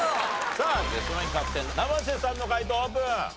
さあゲストナインキャプテン生瀬さんの解答オープン。